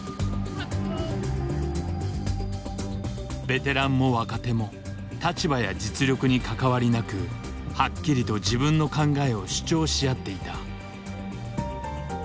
ベテランも若手も立場や実力に関わりなくはっきりと自分の考えを主張し合っていた。